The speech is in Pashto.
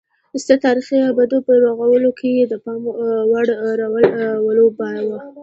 ستر تاریخي ابدو په رغولو کې یې د پام وړ رول ولوباوه